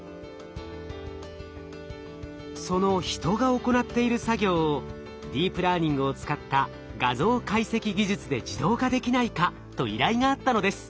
その人が行っている作業をディープラーニングを使った画像解析技術で自動化できないかと依頼があったのです。